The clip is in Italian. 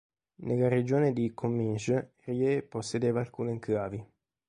Nella regione di Comminges, Rieux possedeva alcune enclavi.